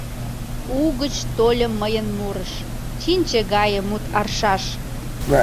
Угыч тольо мыйын мурыш Чинче гае мут аршаш.